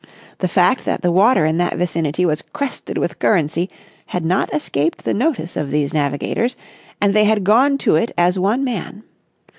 The fact that the water in that vicinity was crested with currency had not escaped the notice of these navigators, and they had gone to it as one man.